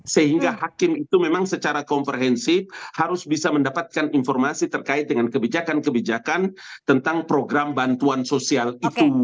sehingga hakim itu memang secara komprehensif harus bisa mendapatkan informasi terkait dengan kebijakan kebijakan tentang program bantuan sosial itu